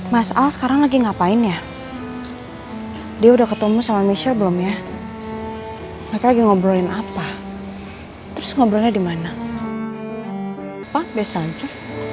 mas al sekarang lagi ngapain ya dia udah ketemu sama michelle belum ya mereka lagi ngobrolin apa terus ngobrolnya dimana pak biasa aja